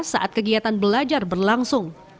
saat kegiatan belajar berlangsung